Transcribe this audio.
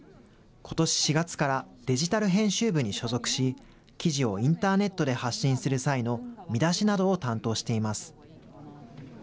ことし４月からデジタル編集部に所属し、記事をインターネットで発信する際の見出しなどを担当しています。